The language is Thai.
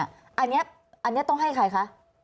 อันนี้ต้องให้ใครคะ